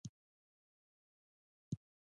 په فېسبوک کې خلک د خپلو کورنیو لپاره دعاوې کوي